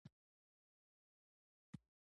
آهنګر وویل پهلمند او هرات کې هم دا حال دی.